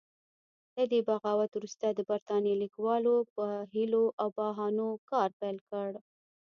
له دې بغاوت وروسته د برتانیې لیکوالو په حیلو او بهانو کار پیل کړ.